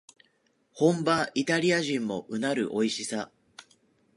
本場イタリア人もうなるおいしさ